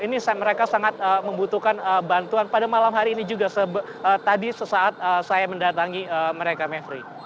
ini mereka sangat membutuhkan bantuan pada malam hari ini juga tadi sesaat saya mendatangi mereka mevri